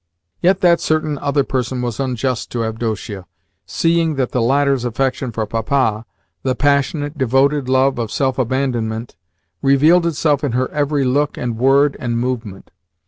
Yet that "certain other person" was unjust to Avdotia, seeing that the latter's affection for Papa the passionate, devoted love of self abandonment revealed itself in her every look and word and movement.